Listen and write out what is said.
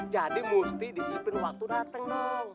jadi mesti disiplin waktu dateng dong